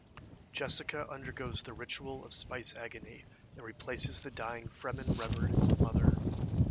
Jessica undergoes the ritual of spice agony and replaces the dying Fremen Reverend Mother.